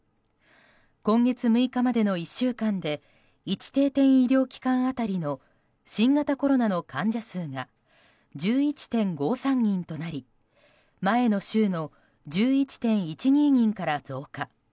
今月６日までの１週間で１定点医療機関当たりの新型コロナの患者数が１１．５３人となり前の週の１１．１２人から増加。